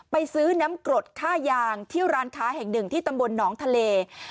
ไปซื้อน้ำกรดค่ายางที่ร้านค้าแห่งหนึ่งที่ตำบลหนองทะเล